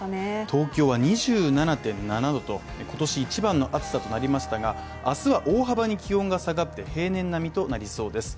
東京は２７．７度と今年一番の暑さとなりましたが明日は大幅に気温が下がって平年並みとなりそうです。